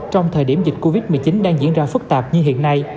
trong thời điểm dịch covid một mươi chín đang diễn ra phức tạp như hiện nay